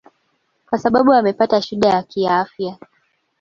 kwa sababu amepata shida ya kiafya